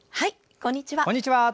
こんにちは。